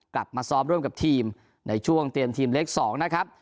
กลับมาซ้อมร่วมกับทีมในช่วงเตรียมทีมเล็ก๒นะครับ